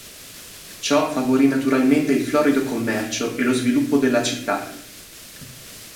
Ciò favorì naturalmente il florido commercio e lo sviluppo della città.